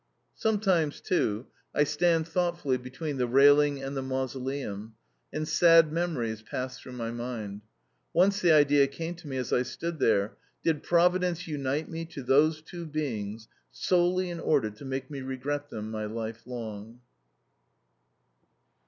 Sometimes, too, I stand thoughtfully between the railing and the mausoleum, and sad memories pass through my mind. Once the idea came to me as I stood there: "Did Providence unite me to those two beings solely in order to make me regret them my life long?"